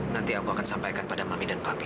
nanti aku akan sampaikan pada mami dan papi